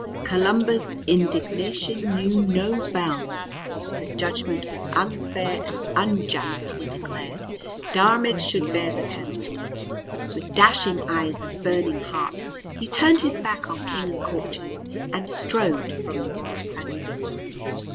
Columba's indignation knew no bounds. The judgment was unfair and unjust, he declared; Diarmaid should bear the penalty. With dashing eyes and burning heart he turned his back on King and courtiers, and strode from the royal presence.